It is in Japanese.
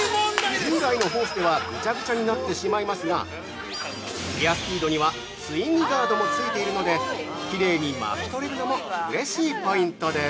◆従来のホースではぐちゃぐちゃになってしまいますがギアスピードにはスイングガードもついているのできれいに巻き取れるのもうれしいポイントです！